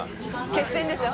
決戦ですよ。